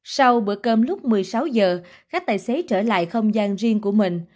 sau bữa cơm lúc một mươi sáu giờ khách tài xế trở lại không gian riêng của mình